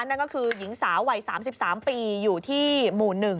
นั่นก็คือหญิงสาววัย๓๓ปีอยู่ที่หมู่๑